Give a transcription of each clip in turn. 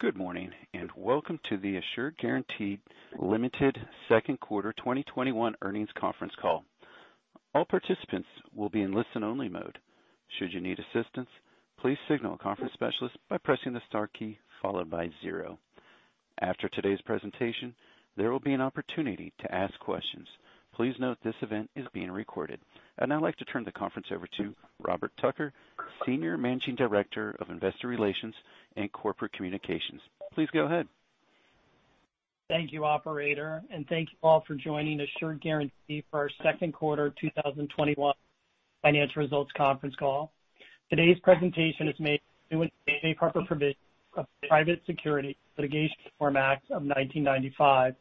Good morning, and welcome to the Assured Guaranty Limited Second Quarter 2021 Earnings conference call. I'd now like to turn the conference over to Robert Tucker, Senior Managing Director of Investor Relations and Corporate Communications. Please go ahead. Thank you, operator, and thank you all for joining Assured Guaranty for our Second quarter 2021 Financial Results conference call. Today's presentation is made pursuant to the Private Securities Litigation Reform Act of 1995.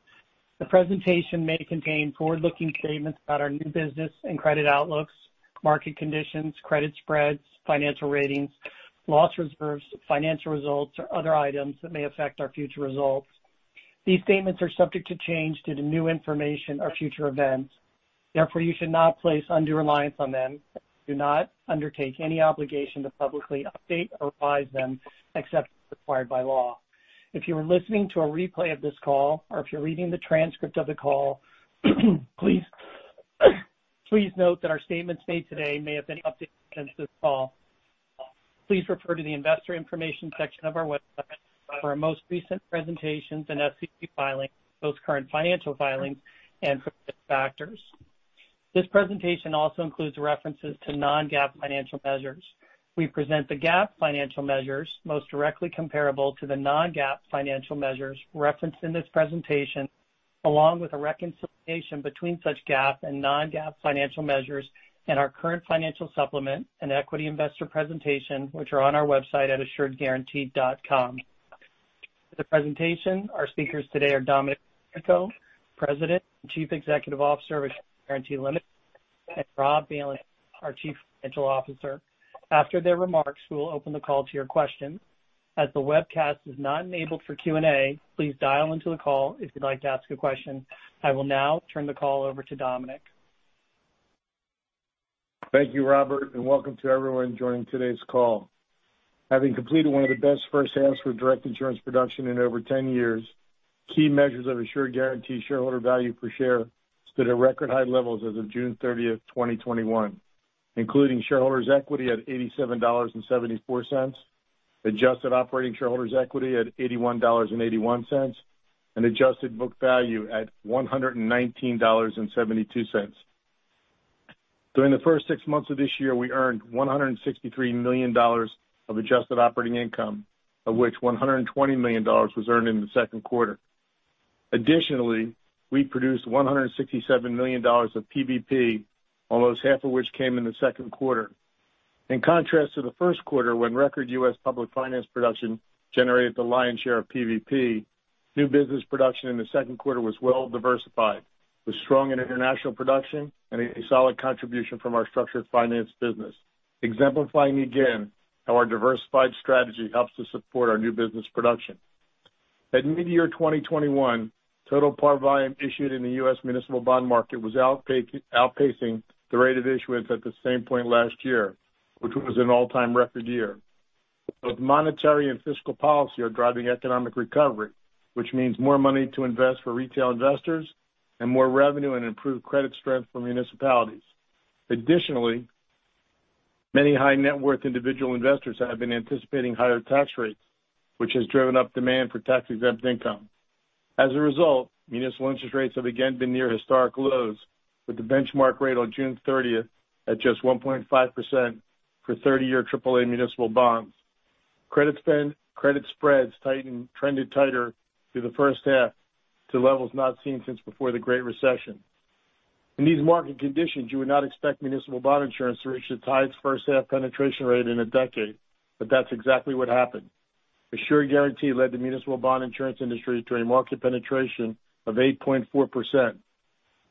The presentation may contain forward-looking statements about our new business and credit outlooks, market conditions, credit spreads, financial ratings, loss reserves, financial results, or other items that may affect our future results. These statements are subject to change due to new information or future events. You should not place undue reliance on them. We do not undertake any obligation to publicly update or revise them except as required by law. If you are listening to a replay of this call or if you're reading the transcript of the call, please note that our statements made today may have been updated since this call. Please refer to the investor information section of our website for our most recent presentations and SEC filings, most current financial filings, and for risk factors. This presentation also includes references to non-GAAP financial measures. We present the GAAP financial measures most directly comparable to the non-GAAP financial measures referenced in this presentation, along with a reconciliation between such GAAP and non-GAAP financial measures in our current financial supplement and equity investor presentation, which are on our website at assuredguaranty.com. For the presentation, our speakers today are Dominic Frederico, President and Chief Executive Officer of Assured Guaranty Limited, and Rob Bailenson, our Chief Financial Officer. After their remarks, we will open the call to your questions. As the webcast is not enabled for Q&A, please dial into the call if you'd like to ask a question. I will now turn the call over to Dominic. Thank you, Robert, and welcome to everyone joining today's call. Having completed one of the best first halves for direct insurance production in over 10 years, key measures of Assured Guaranty shareholder value per share stood at record high levels as of June 30th, 2021, including shareholders' equity at $87.74, adjusted operating shareholders' equity at $81.81, and adjusted book value at $119.72. During the first six months of this year, we earned $163 million of adjusted operating income, of which $120 million was earned in the second quarter. Additionally, we produced $167 million of PVP, almost half of which came in the second quarter. In contrast to the first quarter, when record U.S. public finance production generated the lion's share of PVP, new business production in the second quarter was well diversified, with strong international production and a solid contribution from our structured finance business, exemplifying again how our diversified strategy helps to support our new business production. At mid-year 2021, total par volume issued in the U.S. municipal bond market was outpacing the rate of issuance at the same point last year, which was an all-time record year. Both monetary and fiscal policy are driving economic recovery, which means more money to invest for retail investors and more revenue and improved credit strength for municipalities. Additionally, many high-net-worth individual investors have been anticipating higher tax rates, which has driven up demand for tax-exempt income. As a result, municipal interest rates have again been near historic lows, with the benchmark rate on June 30th at just 1.5% for 30-year AAA municipal bonds. Credit spreads trended tighter through the first half to levels not seen since before the Great Recession. In these market conditions, you would not expect municipal bond insurance to reach its highest first-half penetration rate in a decade, but that's exactly what happened. Assured Guaranty led the municipal bond insurance industry to a market penetration of 8.4%.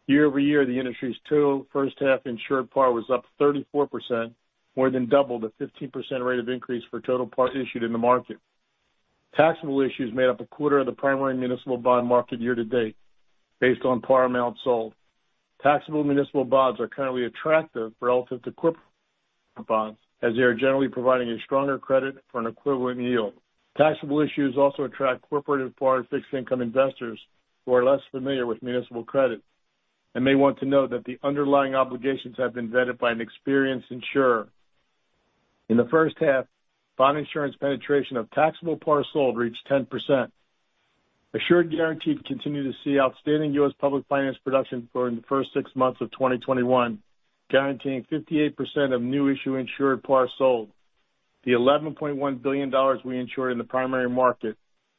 Year-over-year, the industry's total first-half insured par was up 34%, more than double the 15% rate of increase for total par issued in the market. Taxable issues made up a quarter of the primary municipal bond market year to date based on par amount sold. Taxable municipal bonds are currently attractive relative to corporate bonds as they are generally providing a stronger credit for an equivalent yield. Taxable issues also attract corporate and foreign fixed-income investors who are less familiar with municipal credit and may want to know that the underlying obligations have been vetted by an experienced insurer. In the first half, bond insurance penetration of taxable par sold reached 10%. Assured Guaranty continued to see outstanding U.S. public finance production for the first six months of 2021, guaranteeing 58% of new issue insured par sold. The $11.1 billion we insured in the primary market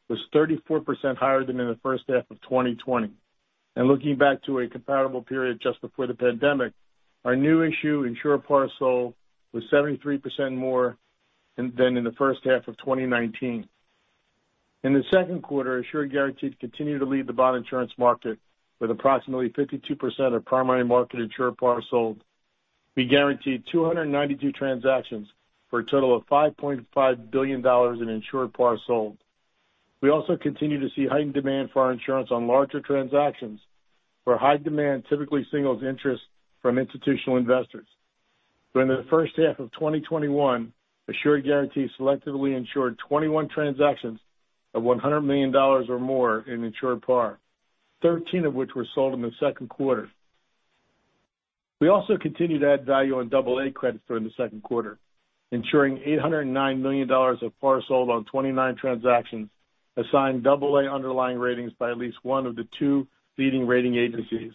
was 34% higher than in the first half of 2020. Looking back to a comparable period just before the pandemic, our new issue insured par sold was 73% more than in the first half of 2019. In the second quarter, Assured Guaranty continued to lead the bond insurance market with approximately 52% of primary market insured par sold. We guaranteed 292 transactions for a total of $5.5 billion in insured par sold. We also continue to see heightened demand for our insurance on larger transactions, where high demand typically signals interest from institutional investors. During the first half of 2021, Assured Guaranty selectively insured 21 transactions of $100 million or more in insured par, 13 of which were sold in the second quarter. We also continued to add value on double A credits during the second quarter, ensuring $809 million of par sold on 29 transactions, assigned double A underlying ratings by at least one of the two leading rating agencies,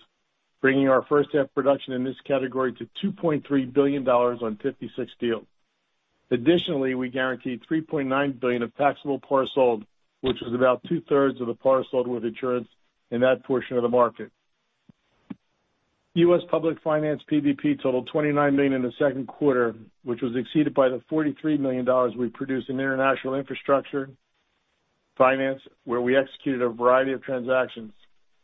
bringing our first half production in this category to $2.3 billion on 56 deals. Additionally, we guaranteed $3.9 billion of taxable par sold, which was about two-thirds of the par sold with insurance in that portion of the market. U.S. public finance PVP totaled $29 million in the second quarter, which was exceeded by the $43 million we produced in international infrastructure finance, where we executed a variety of transactions.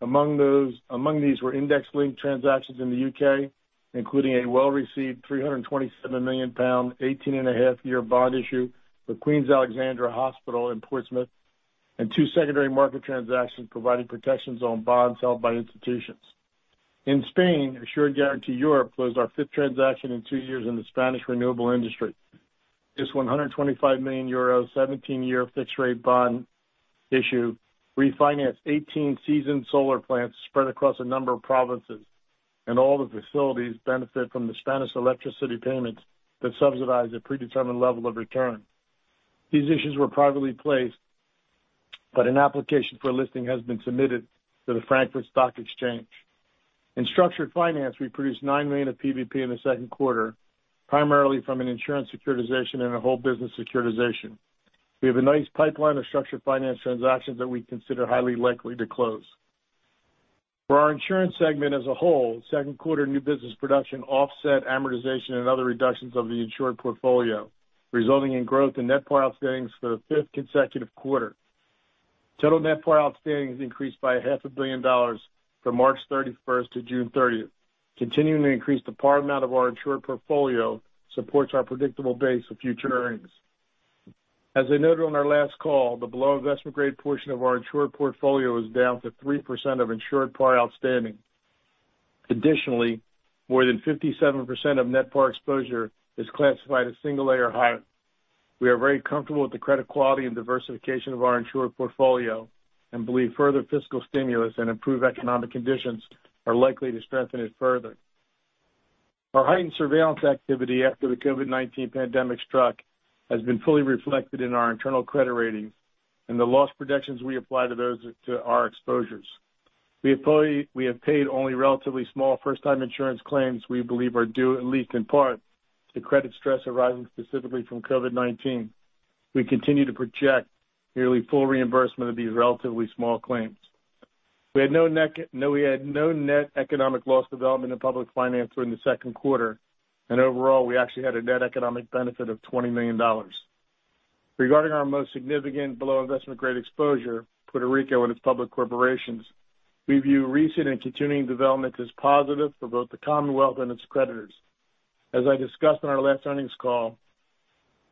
Among these were index-linked transactions in the U.K., including a well-received 327 million pound, 18 and a half-year bond issue with Queen Alexandra Hospital in Portsmouth, and two secondary market transactions providing protections on bonds held by institutions. In Spain, Assured Guaranty Europe closed our fifth transaction in two years in the Spanish renewable industry. This 125 million euro, 17-year fixed rate bond issue refinanced 18 seasoned solar plants spread across a number of provinces, and all the facilities benefit from the Spanish electricity payments that subsidize a predetermined level of return. These issues were privately placed. An application for a listing has been submitted to the Frankfurt Stock Exchange. In structured finance, we produced $9 million of PVP in the second quarter, primarily from an insurance securitization and a whole business securitization. We have a nice pipeline of structured finance transactions that we consider highly likely to close. For our insurance segment as a whole, second quarter new business production offset amortization and other reductions of the insured portfolio, resulting in growth in net par outstanding for the fifth consecutive quarter. Total net par outstanding has increased by a half a billion dollars from March 31st to June 30th. Continuing to increase the par amount of our insured portfolio supports our predictable base of future earnings. As I noted on our last call, the below investment-grade portion of our insured portfolio is down to 3% of insured par outstanding. Additionally, more than 57% of net par exposure is classified as single A or higher. We are very comfortable with the credit quality and diversification of our insured portfolio and believe further fiscal stimulus and improved economic conditions are likely to strengthen it further. Our heightened surveillance activity after the COVID-19 pandemic struck has been fully reflected in our internal credit ratings and the loss protections we apply to our exposures. We have paid only relatively small first-time insurance claims we believe are due, at least in part, to credit stress arising specifically from COVID-19. We continue to project nearly full reimbursement of these relatively small claims. We had no net economic loss development in public finance during the second quarter, and overall, we actually had a net economic benefit of $20 million. Regarding our most significant below investment-grade exposure, Puerto Rico and its public corporations, we view recent and continuing developments as positive for both the Commonwealth and its creditors. As I discussed on our last earnings call,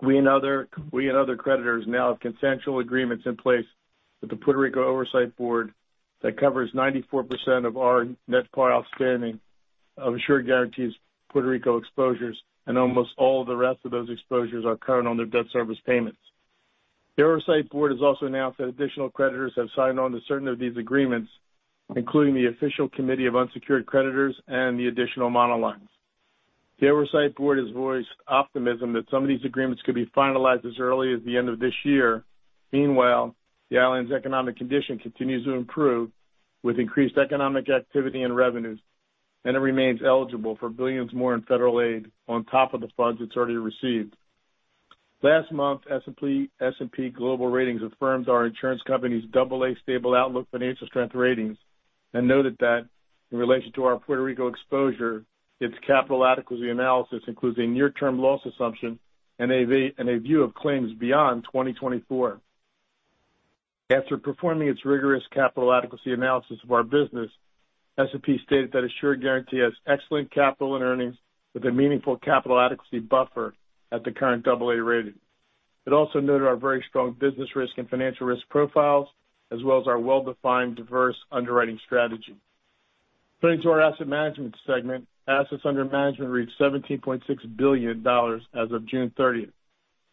we and other creditors now have consensual agreements in place with the Puerto Rico Oversight Board that covers 94% of our net par outstanding of Assured Guaranty's Puerto Rico exposures, and almost all the rest of those exposures are current on their debt service payments. The Oversight Board has also announced that additional creditors have signed on to certain of these agreements, including the official committee of unsecured creditors and the additional monolines. The Oversight Board has voiced optimism that some of these agreements could be finalized as early as the end of this year. Meanwhile, the island's economic condition continues to improve with increased economic activity and revenues, and it remains eligible for billions more in federal aid on top of the funds it's already received. Last month, S&P Global Ratings affirms our insurance company's AA stable outlook financial strength ratings and noted that in relation to our Puerto Rico exposure, its capital adequacy analysis includes a near-term loss assumption and a view of claims beyond 2024. After performing its rigorous capital adequacy analysis of our business, S&P stated that Assured Guaranty has excellent capital and earnings with a meaningful capital adequacy buffer at the current AA rating. It also noted our very strong business risk and financial risk profiles, as well as our well-defined, diverse underwriting strategy. Turning to our asset management segment, assets under management reached $17.6 billion as of June 30th.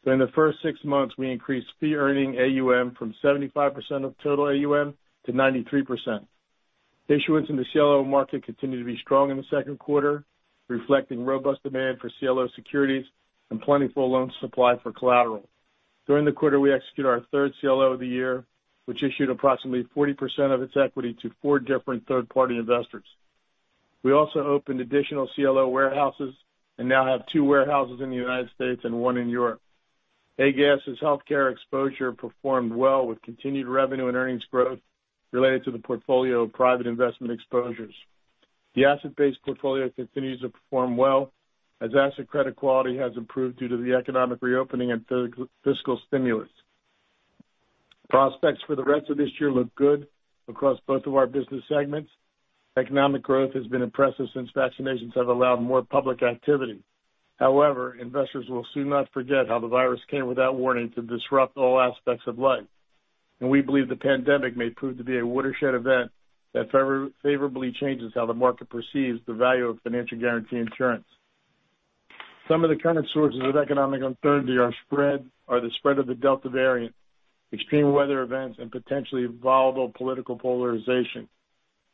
During the first six months, we increased fee earning AUM from 75% of total AUM to 93%. Issuance in the CLO market continued to be strong in the second quarter, reflecting robust demand for CLO securities and plentiful loan supply for collateral. During the quarter, we executed our 3rd CLO of the year, which issued approximately 40% of its equity to four different third-party investors. We also opened additional CLO warehouses and now have two warehouses in the United States and one in Europe. AGAS' healthcare exposure performed well with continued revenue and earnings growth related to the portfolio of private investment exposures. The asset-based portfolio continues to perform well as asset credit quality has improved due to the economic reopening and fiscal stimulus. Prospects for the rest of this year look good across both of our business segments. Economic growth has been impressive since vaccinations have allowed more public activity. Investors will soon not forget how the virus came without warning to disrupt all aspects of life. We believe the pandemic may prove to be a watershed event that favorably changes how the market perceives the value of financial guaranty insurance. Some of the current sources of economic uncertainty are the spread of the Delta variant, extreme weather events, and potentially volatile political polarization.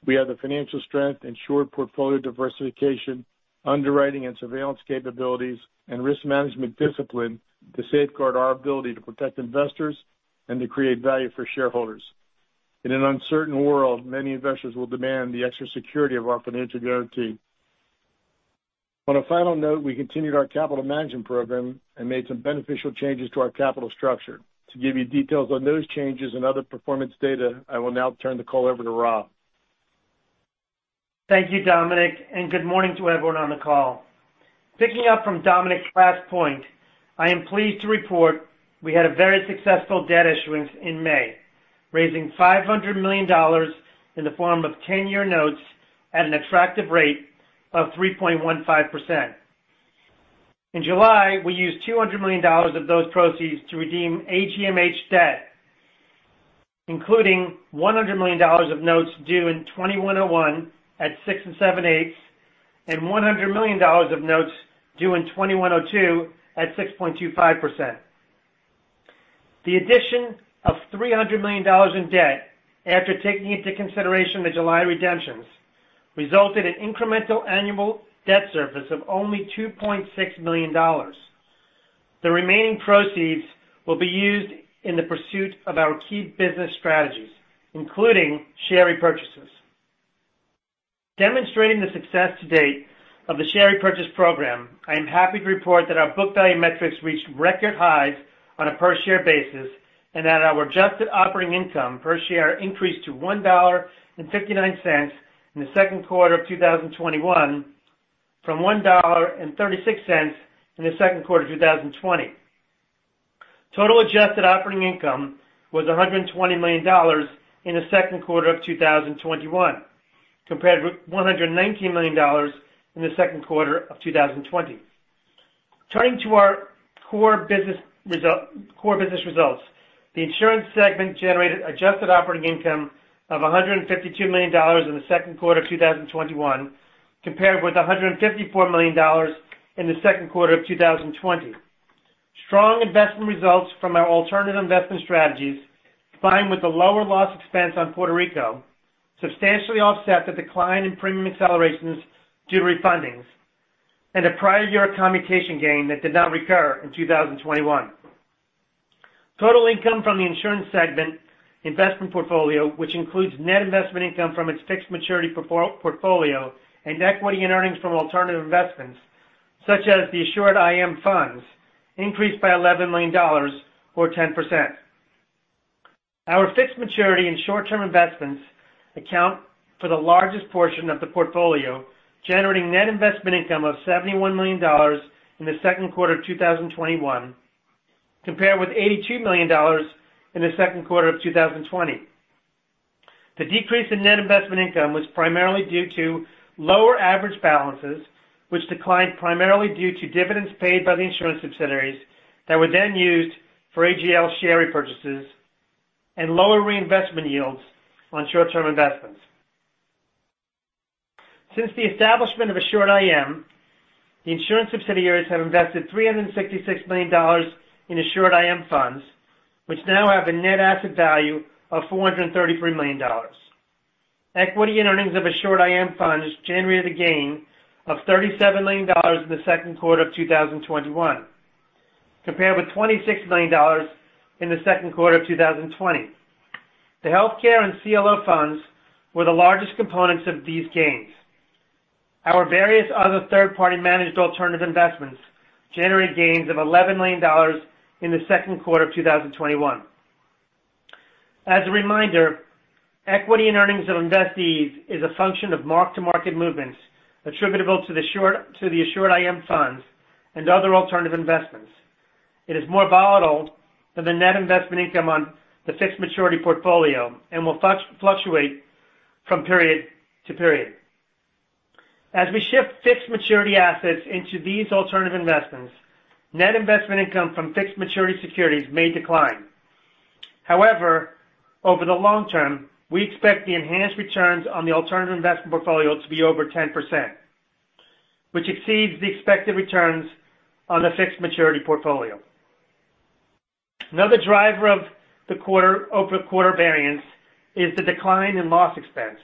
We have the financial strength, insured portfolio diversification, underwriting and surveillance capabilities, and risk management discipline to safeguard our ability to protect investors and to create value for shareholders. In an uncertain world, many investors will demand the extra security of our financial guaranty. On a final note, we continued our capital management program and made some beneficial changes to our capital structure. To give you details on those changes and other performance data, I will now turn the call over to Rob. Thank you, Dominic, and good morning to everyone on the call. Picking up from Dominic's last point, I am pleased to report we had a very successful debt issuance in May, raising $500 million in the form of 10-year notes at an attractive rate of 3.15%. In July, we used $200 million of those proceeds to redeem AGMH debt, including $100 million of notes due in 2101 at six and seven-eighths, and $100 million of notes due in 2102 at 6.25%. The addition of $300 million in debt after taking into consideration the July redemptions resulted in incremental annual debt service of only $2.6 million. The remaining proceeds will be used in the pursuit of our key business strategies, including share repurchases. Demonstrating the success to date of the share repurchase program, I am happy to report that our book value metrics reached record highs on a per-share basis and that our adjusted operating income per share increased to $1.59 in the second quarter of 2021 from $1.36 in the second quarter of 2020. Total adjusted operating income was $120 million in the second quarter of 2021, compared with $119 million in the second quarter of 2020. Turning to our core business results, the insurance segment generated adjusted operating income of $152 million in the second quarter of 2021, compared with $154 million in the second quarter of 2020. Strong investment results from our alternative investment strategies, combined with the lower loss expense on Puerto Rico, substantially offset the decline in premium accelerations due to refundings and a prior year commutation gain that did not recur in 2021. Total income from the insurance segment investment portfolio, which includes net investment income from its fixed maturity portfolio and equity in earnings from alternative investments such as the AssuredIM Funds, increased by $11 million, or 10%. Our fixed maturity and short-term investments account for the largest portion of the portfolio, generating net investment income of $71 million in the second quarter of 2021, compared with $82 million in the second quarter of 2020. The decrease in net investment income was primarily due to lower average balances, which declined primarily due to dividends paid by the insurance subsidiaries that were then used for AGL share repurchases and lower reinvestment yields on short-term investments. Since the establishment of AssuredIM, the insurance subsidiaries have invested $366 million in AssuredIM Funds, which now have a net asset value of $433 million. Equity and earnings of AssuredIM Funds generated a gain of $37 million in the second quarter of 2021, compared with $26 million in the second quarter of 2020. The healthcare and CLO funds were the largest components of these gains. Our various other third-party managed alternative investments generated gains of $11 million in the second quarter of 2021. As a reminder, equity in earnings of investees is a function of mark-to-market movements attributable to the AssuredIM Funds and other alternative investments. It is more volatile than the net investment income on the fixed maturity portfolio and will fluctuate from period to period. As we shift fixed maturity assets into these alternative investments, net investment income from fixed maturity securities may decline. However, over the long term, we expect the enhanced returns on the alternative investment portfolio to be over 10%, which exceeds the expected returns on the fixed maturity portfolio. Another driver of the quarter variance is the decline in loss expense,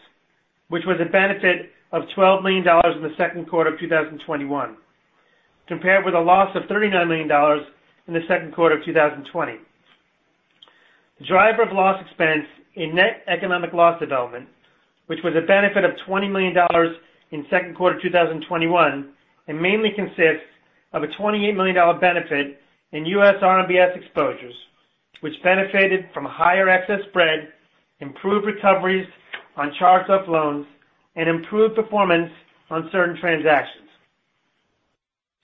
which was a benefit of $12 million in the second quarter of 2021, compared with a loss of $39 million in the second quarter of 2020. The driver of loss expense in net economic loss development, which was a benefit of $20 million in second quarter 2021, and mainly consists of a $28 million benefit in U.S. RMBS exposures, which benefited from a higher excess spread, improved recoveries on charged-off loans, and improved performance on certain transactions.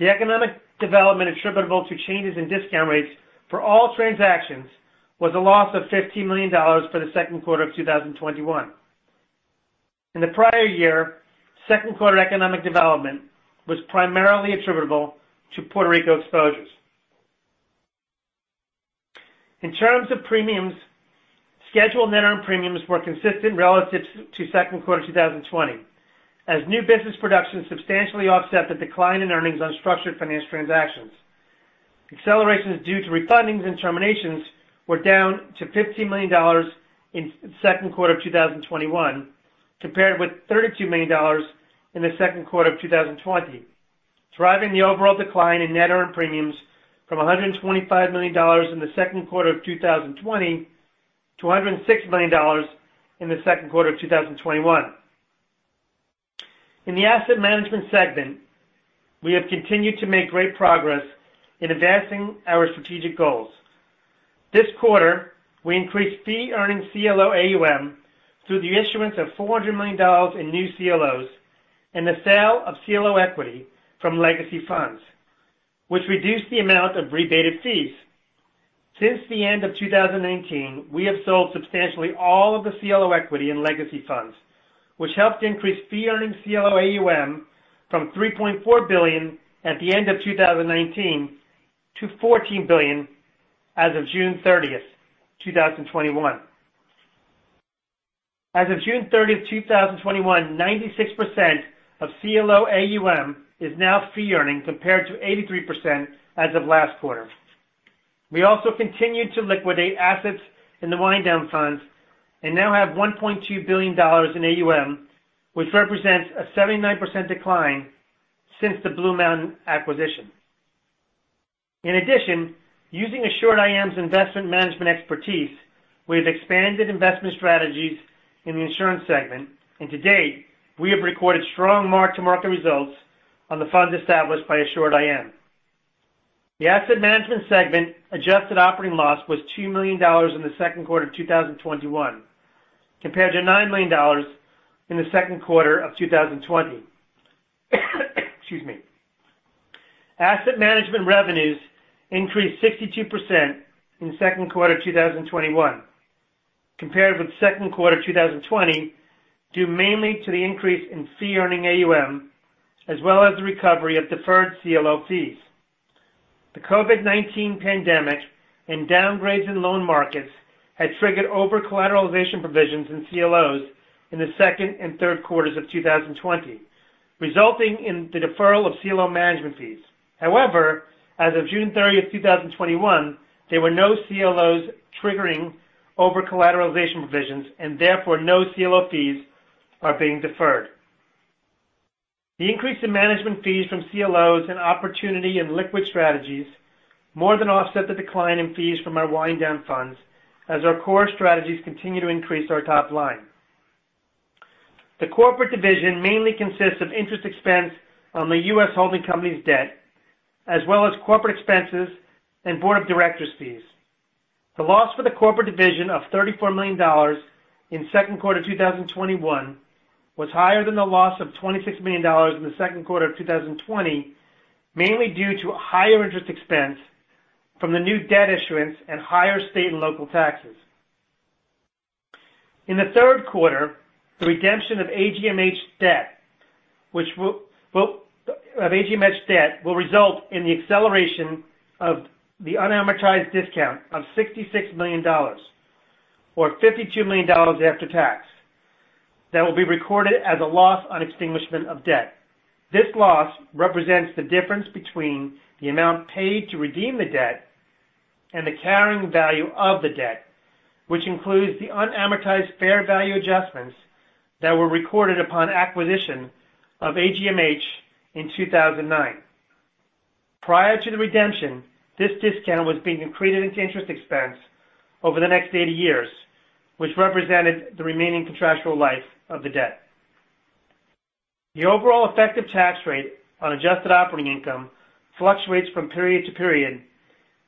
The economic development attributable to changes in discount rates for all transactions was a loss of $15 million for the second quarter of 2021. In the prior year, second quarter economic development was primarily attributable to Puerto Rico exposures. In terms of premiums, scheduled net earned premiums were consistent relative to second quarter 2020, as new business production substantially offset the decline in earnings on structured financial transactions. Accelerations due to refundings and terminations were down to $15 million in second quarter of 2021, compared with $32 million in the second quarter of 2020, driving the overall decline in net earned premiums from $125 million in the second quarter of 2020 to $106 million in the second quarter of 2021. In the asset management segment, we have continued to make great progress in advancing our strategic goals. This quarter, we increased fee earning CLO AUM through the issuance of $400 million in new CLOs and the sale of CLO equity from legacy funds, which reduced the amount of rebated fees. Since the end of 2019, we have sold substantially all of the CLO equity in legacy funds, which helped increase fee earning CLO AUM from $3.4 billion at the end of 2019 to $14 billion as of June 30th, 2021. As of June 30th, 2021, 96% of CLO AUM is now fee earning compared to 83% as of last quarter. We also continued to liquidate assets in the wind down funds and now have $1.2 billion in AUM, which represents a 79% decline since the BlueMountain acquisition. In addition, using AssuredIM's investment management expertise, we have expanded investment strategies in the insurance segment, and to date, we have recorded strong mark-to-market results on the funds established by AssuredIM. The asset management segment adjusted operating loss was $2 million in the second quarter of 2021 compared to $9 million in the second quarter of 2020. Excuse me. Asset management revenues increased 62% in second quarter 2021 compared with second quarter 2020 due mainly to the increase in fee earning AUM as well as the recovery of deferred CLO fees. The COVID-19 pandemic and downgrades in loan markets had triggered over-collateralization provisions in CLOs in the second and third quarters of 2020, resulting in the deferral of CLO management fees. As of June 30th, 2021, there were no CLOs triggering over-collateralization provisions and therefore no CLO fees are being deferred. The increase in management fees from CLOs and opportunity in liquid strategies more than offset the decline in fees from our wind down funds as our core strategies continue to increase our top line. The corporate division mainly consists of interest expense on the U.S. holding company's debt, as well as corporate expenses and board of directors fees. The loss for the corporate division of $34 million in second quarter 2021 was higher than the loss of $26 million in the second quarter of 2020, mainly due to higher interest expense from the new debt issuance and higher state and local taxes. In the third quarter, the redemption of AGMH debt will result in the acceleration of the unamortized discount of $66 million, or $52 million after tax. That will be recorded as a loss on extinguishment of debt. This loss represents the difference between the amount paid to redeem the debt and the carrying value of the debt, which includes the unamortized fair value adjustments that were recorded upon acquisition of AGMH in 2009. Prior to the redemption, this discount was being accreted into interest expense over the next 80 years, which represented the remaining contractual life of the debt. The overall effective tax rate on adjusted operating income fluctuates from period to period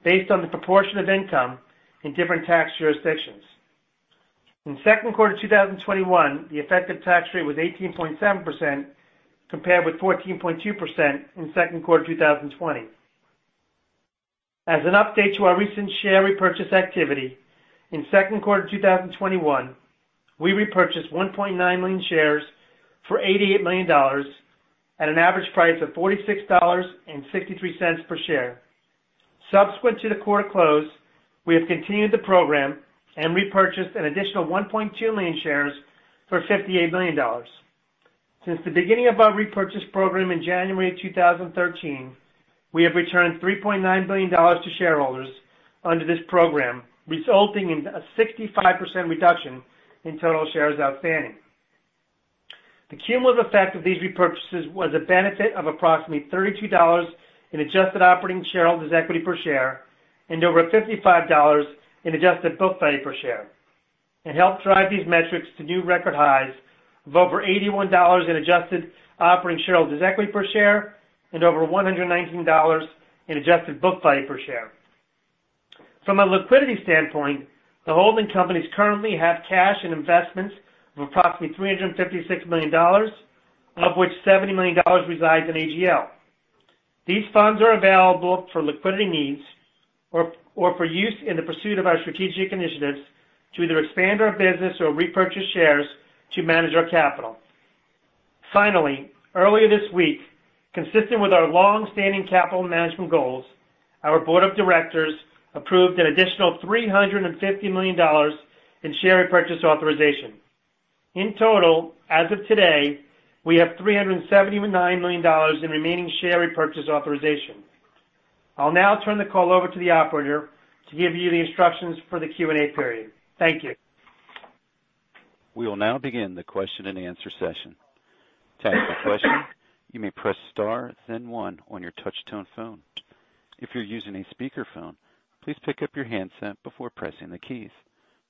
based on the proportion of income in different tax jurisdictions. In second quarter 2021, the effective tax rate was 18.7% compared with 14.2% in second quarter 2020. As an update to our recent share repurchase activity, in second quarter 2021, we repurchased 1.9 million shares for $88 million at an average price of $46.63 per share. Subsequent to the quarter close, we have continued the program and repurchased an additional 1.2 million shares for $58 million. Since the beginning of our repurchase program in January 2013, we have returned $3.9 billion to shareholders under this program, resulting in a 65% reduction in total shares outstanding. The cumulative effect of these repurchases was a benefit of approximately $32 in adjusted operating shareholders' equity per share and over $55 in adjusted book value per share, and helped drive these metrics to new record highs of over $81 in adjusted operating shareholders' equity per share and over $119 in adjusted book value per share. From a liquidity standpoint, the holding companies currently have cash and investments of approximately $356 million, of which $70 million resides in AGL. These funds are available for liquidity needs or for use in the pursuit of our strategic initiatives to either expand our business or repurchase shares to manage our capital. Finally, earlier this week, consistent with our long-standing capital management goals, our board of directors approved an additional $350 million in share repurchase authorization. In total, as of today, we have $379 million in remaining share repurchase authorization. I'll now turn the call over to the operator to give you the instructions for the Q&A period. Thank you. We will now begin the question-and-answer session. To type your question, you may press star then one on your touchtone phone. If you're using a speaker phone, please pick up your handset before pressing the keys.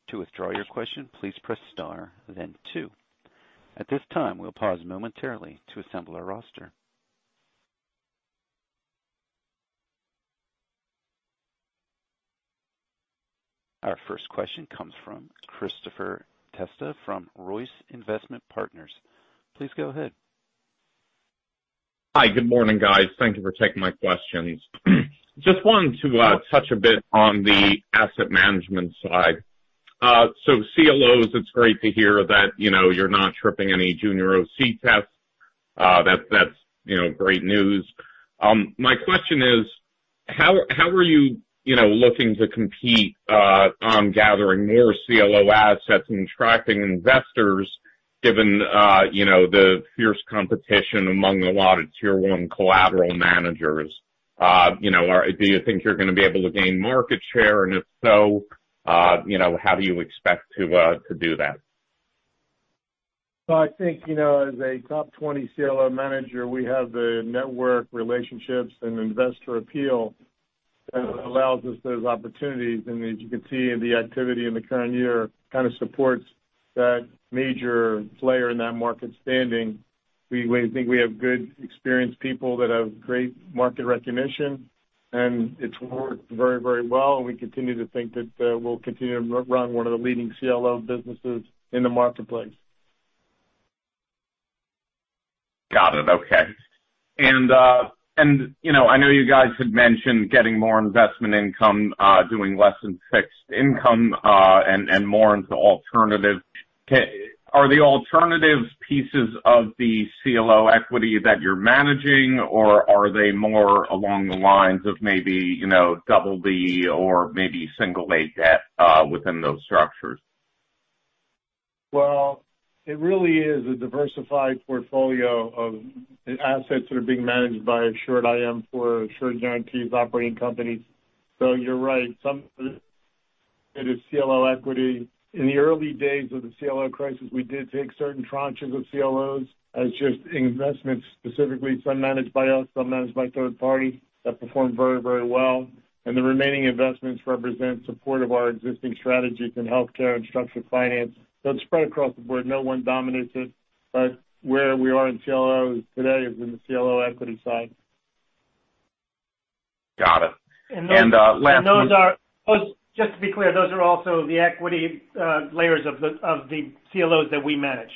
To withdraw your question, please press star then two. At this time, we'll pause momentarily to assemble our roster. Our first question comes from Christopher Testa from Royce Investment Partners. Please go ahead. Hi. Good morning, guys. Thank you for taking my questions. Just wanted to touch a bit on the asset management side. CLOs, it's great to hear that you're not tripping any junior OC tests. That's great news. My question is how are you looking to compete on gathering more CLO assets and attracting investors given the fierce competition among a lot of tier 1 collateral managers? Do you think you're going to be able to gain market share and if so how do you expect to do that? I think, as a top 20 CLO manager, we have the network relationships and investor appeal that allows us those opportunities. As you can see in the activity in the current year, kind of supports that major player in that market standing. We think we have good experienced people that have great market recognition, and it's worked very well, and we continue to think that we'll continue to run one of the leading CLO businesses in the marketplace. Got it. Okay. I know you guys had mentioned getting more investment income, doing less in fixed income, and more into alternative. Are the alternatives pieces of the CLO equity that you're managing or are they more along the lines of maybe BB or maybe A debt within those structures? Well, it really is a diversified portfolio of assets that are being managed by AssuredIM for Assured Guaranty's operating companies. You're right. Some of it is CLO equity. In the early days of the CLO crisis, we did take certain tranches of CLOs as just investments, specifically some managed by us, some managed by third party that performed very well. The remaining investments represent support of our existing strategies in healthcare and structured finance. It's spread across the board. No one dominates it. Where we are in CLOs today is in the CLO equity side. Got it. Just to be clear, those are also the equity layers of the CLOs that we manage.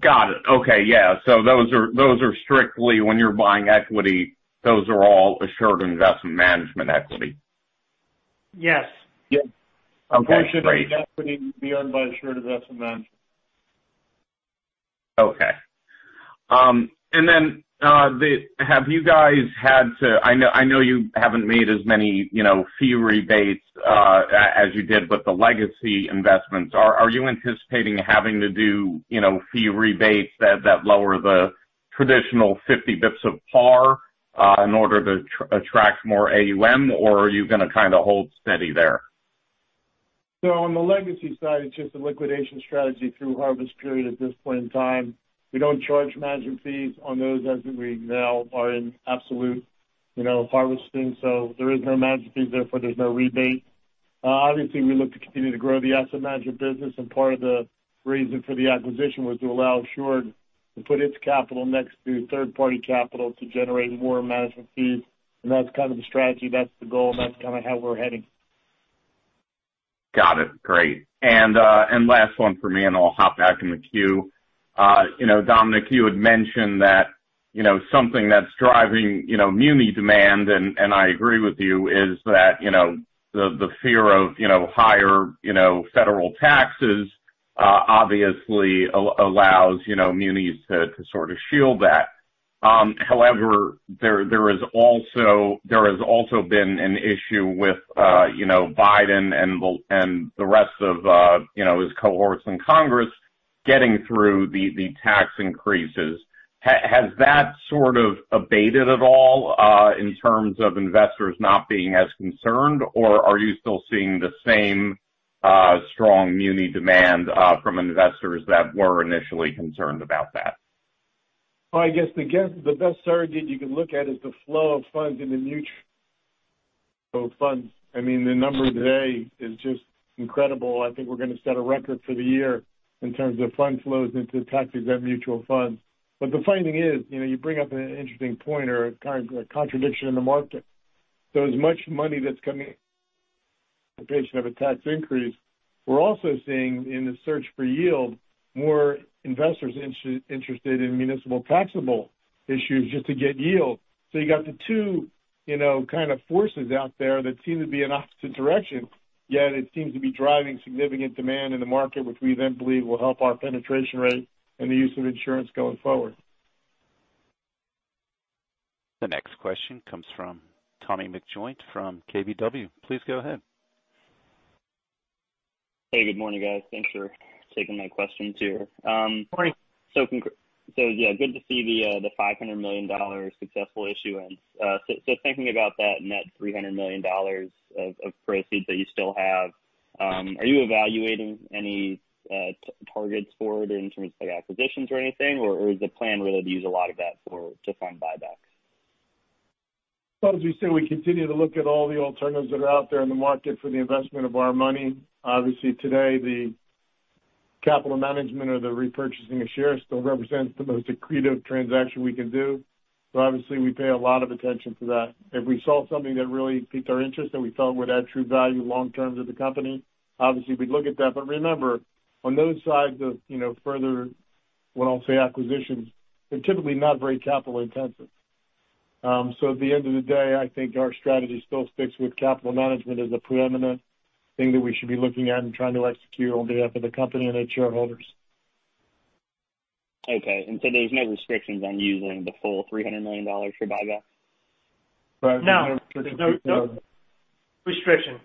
Got it. Okay. Yeah. Those are strictly when you're buying equity, those are all Assured Investment Management equity. Yes. Okay, great. Assured Investment equity be owned by Assured Investment Management. Okay. I know you haven't made as many fee rebates as you did with the legacy investments. Are you anticipating having to do fee rebates that lower the traditional 50 basis points of par in order to attract more AUM or are you going to kind of hold steady there? On the legacy side, it's just a liquidation strategy through harvest period at this point in time. We don't charge management fees on those as we now are in absolute harvesting. There is no management fee, therefore there's no rebate. Obviously, we look to continue to grow the asset management business and part of the reason for the acquisition was to allow Assured to put its capital next to third-party capital to generate more management fees. That's kind of the strategy. That's the goal, and that's kind of how we're heading. Got it. Great. Last one from me, and I'll hop back in the queue. Dominic, you had mentioned that something that's driving muni demand, and I agree with you, is that the fear of higher federal taxes obviously allows munis to sort of shield that. There has also been an issue with Biden and the rest of his cohorts in Congress getting through the tax increases. Has that sort of abated at all in terms of investors not being as concerned or are you still seeing the same strong muni demand from investors that were initially concerned about that? Well, I guess the best surrogate you can look at is the flow of funds in the mutual funds. I mean, the number today is just incredible. I think we're going to set a record for the year in terms of fund flows into tax-exempt mutual funds. The finding is, you bring up an interesting point or kind of a contradiction in the market. As much money that's coming in anticipation of a tax increase. We're also seeing in the search for yield, more investors interested in municipal taxable issues just to get yield. You got the two forces out there that seem to be in opposite directions, yet it seems to be driving significant demand in the market, which we then believe will help our penetration rate and the use of insurance going forward. The next question comes from Tommy McJoynt from KBW. Please go ahead. Hey, good morning, guys. Thanks for taking my questions here. Morning. Yeah, good to see the $500 million successful issue. Thinking about that net $300 million of proceeds that you still have, are you evaluating any targets for it in terms of acquisitions or anything? Or is the plan really to use a lot of that to fund buybacks? Well, as we say, we continue to look at all the alternatives that are out there in the market for the investment of our money. Today, the capital management or the repurchasing of shares still represents the most accretive transaction we can do. Obviously, we pay a lot of attention to that. If we saw something that really piqued our interest, that we felt would add true value long-term to the company, obviously we'd look at that. Remember, on those sides of further, when I'll say acquisitions, they're typically not very capital intensive. At the end of the day, I think our strategy still sticks with capital management as the preeminent thing that we should be looking at and trying to execute on behalf of the company and its shareholders. Okay. There's no restrictions on using the full $300 million for buyback? No. There's no restriction.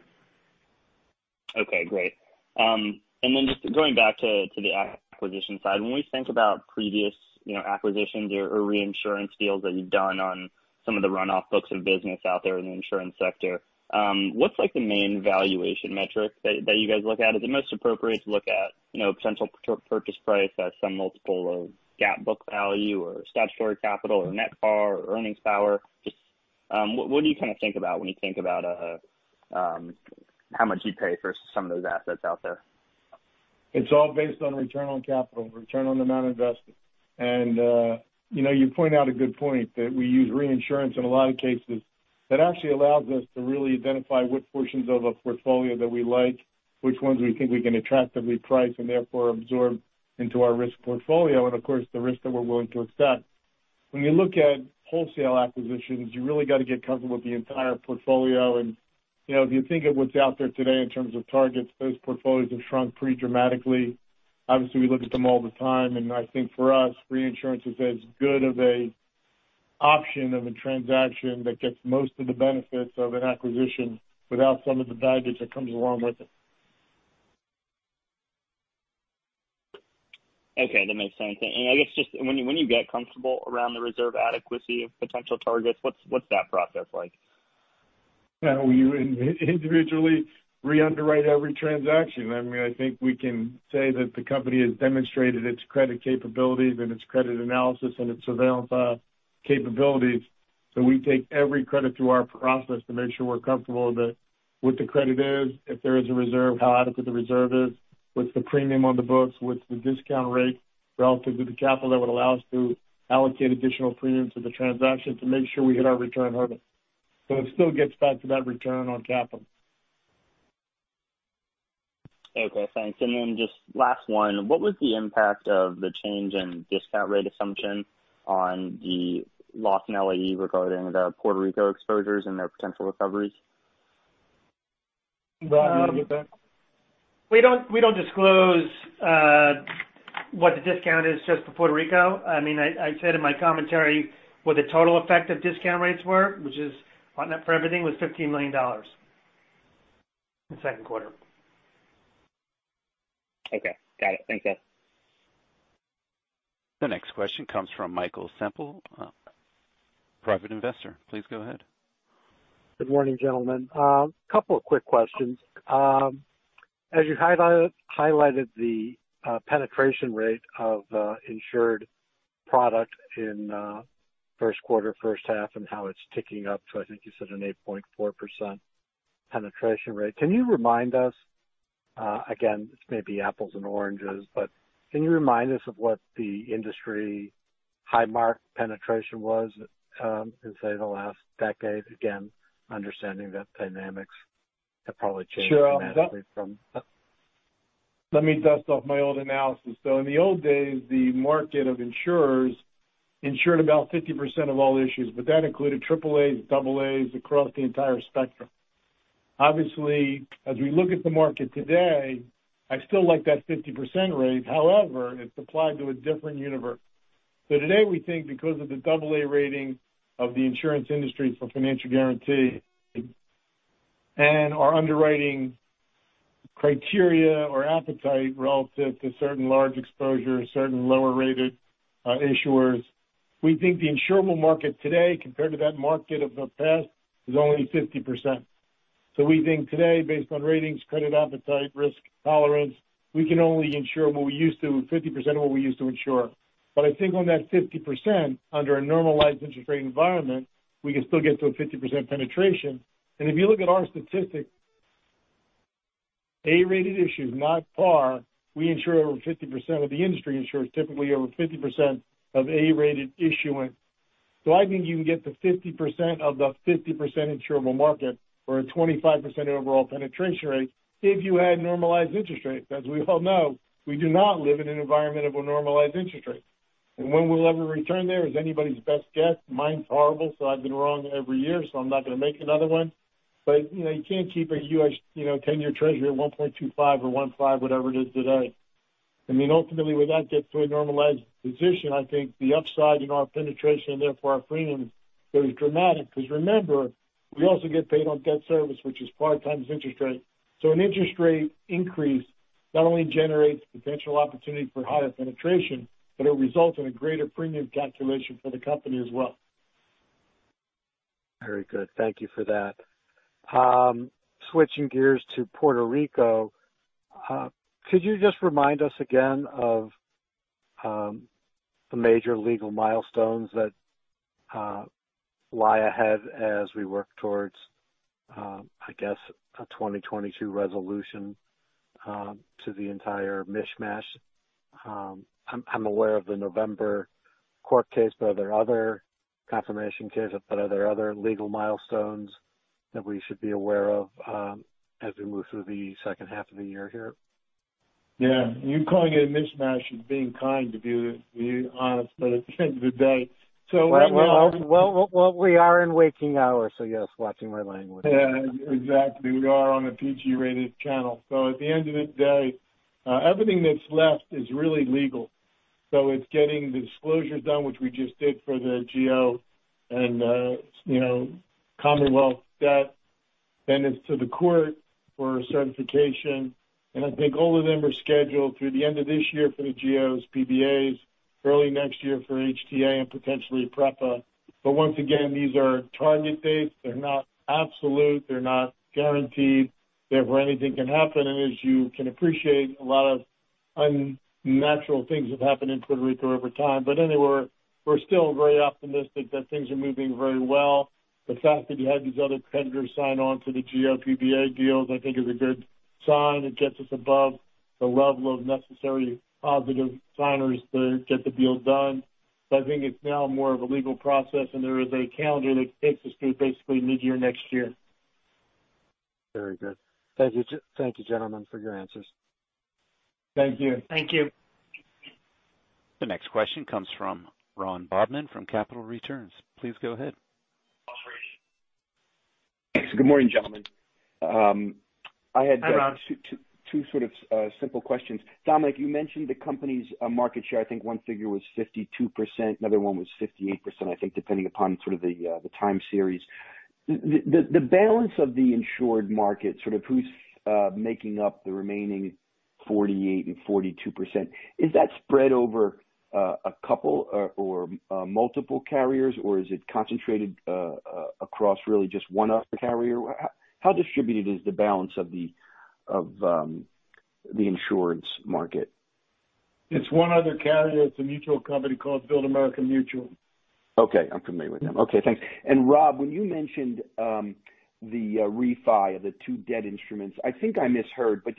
Okay, great. Just going back to the acquisition side. When we think about previous acquisitions or reinsurance deals that you've done on some of the runoff books of business out there in the insurance sector, what's like the main valuation metric that you guys look at? Is it most appropriate to look at potential purchase price as some multiple of GAAP book value or statutory capital or net par or earnings power? Just, what do you kind of think about when you think about how much you'd pay for some of those assets out there? It's all based on return on capital, return on amount invested. You point out a good point, that we use reinsurance in a lot of cases. That actually allows us to really identify what portions of a portfolio that we like, which ones we think we can attractively price and therefore absorb into our risk portfolio, and of course, the risk that we're willing to accept. When you look at wholesale acquisitions, you really got to get comfortable with the entire portfolio and if you think of what's out there today in terms of targets, those portfolios have shrunk pretty dramatically. Obviously, we look at them all the time, and I think for us, reinsurance is as good of an option of a transaction that gets most of the benefits of an acquisition without some of the baggage that comes along with it. Okay. That makes sense. I guess just when you get comfortable around the reserve adequacy of potential targets, what's that process like? Yeah. We individually re-underwrite every transaction. I think we can say that the company has demonstrated its credit capabilities and its credit analysis and its surveillance capabilities. We take every credit through our process to make sure we're comfortable that what the credit is, if there is a reserve, how adequate the reserve is, what's the premium on the books, what's the discount rate relative to the capital that would allow us to allocate additional premium to the transaction to make sure we hit our return hurdle. It still gets back to that return on capital. Okay, thanks. Just last one, what was the impact of the change in discount rate assumption on the loss in LE regarding the Puerto Rico exposures and their potential recoveries? You want to get that? We don't disclose what the discount is just for Puerto Rico. I said in my commentary what the total effect of discount rates were, which is on net for everything was $15 million in Q2. Okay. Got it. Thanks, guys. The next question comes from Michael Semple, private investor. Please go ahead. Good morning, gentlemen. Couple of quick questions. As you highlighted the penetration rate of insured product in first quarter, first half, and how it's ticking up to I think you said an 8.4% penetration rate. Can you remind us, again, this may be apples and oranges, but can you remind us of what the industry high mark penetration was, say, in the last decade? Again, understanding that dynamics have probably changed dramatically. Sure. Let me dust off my old analysis. In the old days, the market of insurers insured about 50% of all issues, but that included AAAs and AAs across the entire spectrum. Obviously, as we look at the market today, I still like that 50% rate. However, it's applied to a different universe. Today, we think because of the AA rating of the insurance industry for financial guaranty and our underwriting criteria or appetite relative to certain large exposure, certain lower-rated issuers, we think the insurable market today compared to that market of the past is only 50%. We think today, based on ratings, credit appetite, risk tolerance, we can only insure 50% of what we used to insure. I think on that 50%, under a normalized interest rate environment, we can still get to a 50% penetration. If you look at our statistics, A-rated issues, not par. We insure over 50% of the industry insurance, typically over 50% of A-rated issuance. I think you can get to 50% of the 50% insurable market or a 25% overall penetration rate if you had normalized interest rates. As we all know, we do not live in an environment of a normalized interest rate. When we'll ever return there is anybody's best guess. Mine's horrible, so I've been wrong every year, so I'm not going to make another one. You can't keep a U.S. 10-year Treasury at 1.25% or 1.5%, whatever it is today. Ultimately, when that gets to a normalized position, I think the upside in our penetration and therefore our premiums is dramatic. Remember, we also get paid on debt service, which is par times interest rate. An interest rate increase not only generates potential opportunity for higher penetration, but it results in a greater premium calculation for the company as well. Very good. Thank you for that. Switching gears to Puerto Rico, could you just remind us again of the major legal milestones that lie ahead as we work towards, I guess, a 2022 resolution to the entire mishmash? I'm aware of the November court case, but are there other legal milestones that we should be aware of as we move through the second half of the year here? Yeah. You calling it a mishmash is being kind, to be honest, but at the end of the day. Well, we are in waking hours, so yes, watching my language. Yeah, exactly. We are on a PG-rated channel. At the end of the day, everything that's left is really legal. It's getting the disclosures done, which we just did for the GO and Commonwealth debt. It's to the court for certification, and I think all of them are scheduled through the end of this year for the GOs, PBAs, early next year for HTA and potentially PREPA. Once again, these are target dates. They're not absolute, they're not guaranteed, therefore anything can happen, and as you can appreciate, a lot of unnatural things have happened in Puerto Rico over time. Anyway, we're still very optimistic that things are moving very well. The fact that you had these other creditors sign on to the GO PBA deals, I think is a good sign. It gets us above the level of necessary positive signers to get the deal done. I think it's now more of a legal process, and there is a calendar that takes us to basically mid-year next year. Very good. Thank you, gentlemen, for your answers. Thank you. Thank you. The next question comes from Ron Bobman from Capital Returns. Please go ahead. Good morning, gentlemen. Hi, Ron. I had two sort of simple questions. Dominic, you mentioned the company's market share. I think one figure was 52%, another one was 58%, I think, depending upon sort of the time series. The balance of the insured market, sort of who's making up the remaining 48% and 42%, is that spread over a couple or multiple carriers, or is it concentrated across really just one other carrier? How distributed is the balance of the insurance market? It's one other carrier. It's a mutual company called Build America Mutual. Okay. I'm familiar with them. Okay, thanks. Rob, when you mentioned the refi of the 2 debt instruments, I think I misheard, but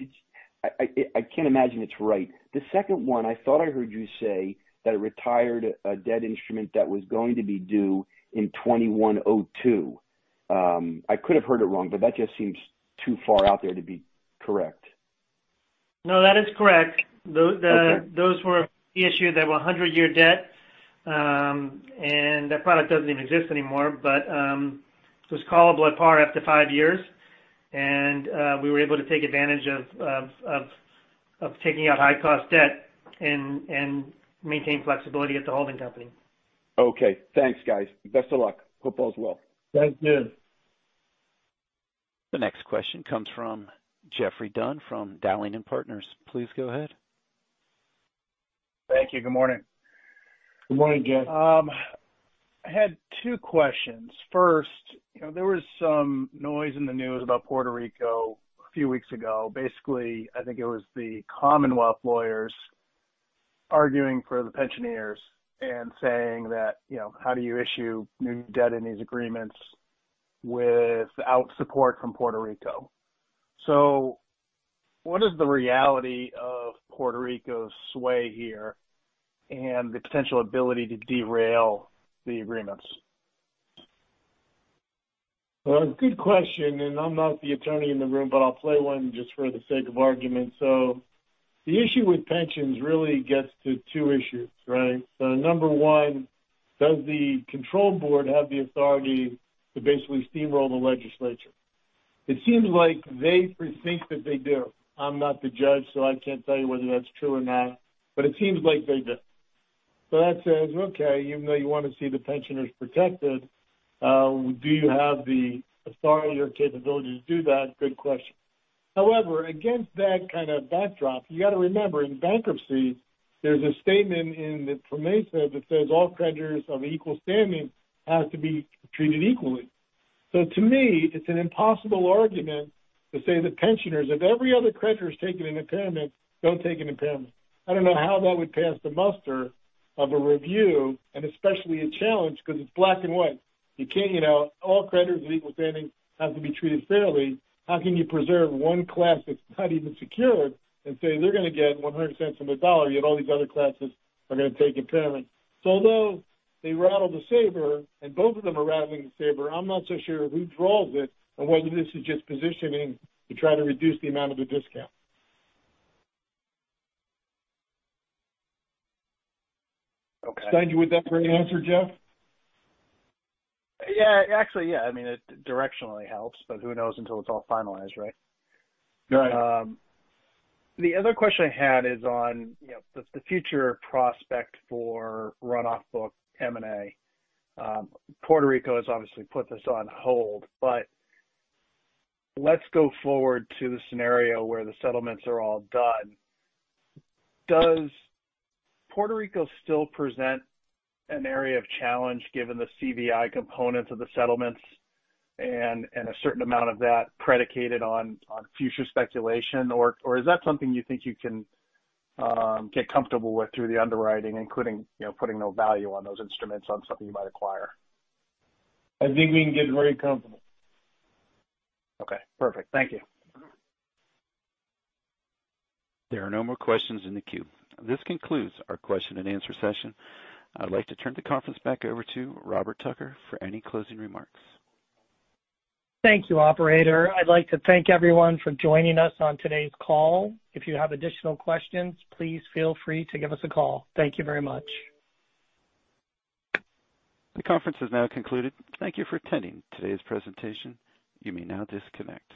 I can't imagine it's right. The second one, I thought I heard you say that it retired a debt instrument that was going to be due in 2102. I could have heard it wrong, but that just seems too far out there to be correct. No, that is correct. Okay. Those were issued, they were 100-year debt. That product doesn't even exist anymore, but it was callable at par after five years, and we were able to take advantage of taking out high-cost debt and maintain flexibility at the holding company. Okay. Thanks, guys. Best of luck. Hope all is well. Thank you. The next question comes from Geoffrey Dunn from Dowling & Partners. Please go ahead. Thank you. Good morning. Good morning, Geoff. I had two questions. First, there was some noise in the news about Puerto Rico a few weeks ago. Basically, I think it was the Commonwealth lawyers arguing for the pensioners and saying that, how do you issue new debt in these agreements without support from Puerto Rico? What is the reality of Puerto Rico's sway here and the potential ability to derail the agreements? Good question. I'm not the attorney in the room, but I'll play one just for the sake of argument. The issue with pensions really gets to two issues, right? Number 1, does the control board have the authority to basically steamroll the legislature? It seems like they think that they do. I'm not the judge, so I can't tell you whether that's true or not, but it seems like they do. That says, okay, even though you want to see the pensioners protected, do you have the authority or capability to do that? Good question. However, against that kind of backdrop, you got to remember, in bankruptcy, there's a statement in the commencement that says all creditors of equal standing have to be treated equally. To me, it's an impossible argument to say that pensioners, if every other creditor's taking an impairment, don't take an impairment. I don't know how that would pass the muster of a review, and especially a challenge, because it's black and white. All creditors of equal standing have to be treated fairly. How can you preserve 1 class that's not even secured and say they're going to get $1.00 on the dollar, yet all these other classes are going to take impairment? Although they rattle the saber and both of them are rattling the saber, I'm not so sure who draws it or whether this is just positioning to try to reduce the amount of the discount. Okay. Did I answer your question, Geoffrey? Yeah. Actually, yeah. It directionally helps, but who knows until it's all finalized, right? Right. The other question I had is on the future prospect for runoff book M&A. Puerto Rico's obviously put this on hold but let's go forward to the scenario where the settlements are all done. Does Puerto Rico still present an area of challenge given the CVI components of the settlements and a certain amount of that predicated on future speculation, or is that something you think you can get comfortable with through the underwriting, including putting no value on those instruments on something you might acquire? I think we can get very comfortable. Okay, perfect. Thank you. There are no more questions in the queue. This concludes our question and answer session. I'd like to turn the conference back over to Robert Tucker for any closing remarks. Thank you, operator. I'd like to thank everyone for joining us on today's call. If you have additional questions, please feel free to give us a call. Thank you very much. The conference is now concluded. Thank you for attending today's presentation. You may now disconnect.